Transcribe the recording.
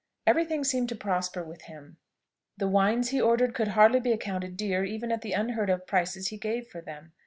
Every thing seemed to prosper with him. The wines he ordered could hardly be accounted dear even at the unheard of prices he gave for them.